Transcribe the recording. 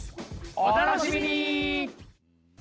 お楽しみに！